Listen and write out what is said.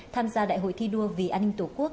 tham gia đại hội thi đua vì an ninh tổ quốc